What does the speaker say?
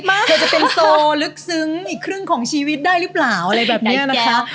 เดี๋ยวจะเป็นโตลึกซึ้งอีกครึ่งของชีวิตได้หรือเปล่าอะไรแบบนี้นะคะ